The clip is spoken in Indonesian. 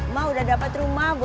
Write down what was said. mau udah dapat rumah